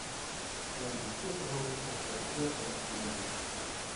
مەن كىچىك ئارالنىڭ شەرق تەرىپىگە قاراپ يۈگۈردۈم.